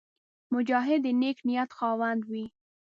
مجاهد د نېک نیت خاوند وي.